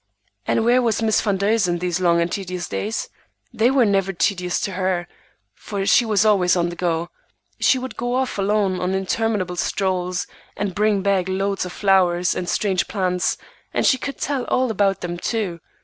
And where was Miss Van Duzen these long and tedious days? They were never tedious to her, for she was always on the go. She would go off alone on interminable strolls, and bring back loads of flowers and strange plants, and she could tell all about them too.